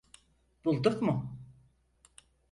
Bulduk mu?